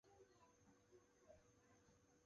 于是清廷分土尔扈特为新旧二部。